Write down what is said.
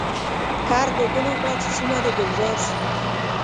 کرد د ګلو کړه چي سیمه د ګلزار شي.